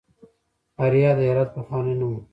اریا د هرات پخوانی نوم و